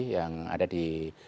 yang ada di